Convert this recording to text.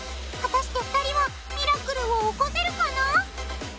果たして２人はミラクルを起こせるかな？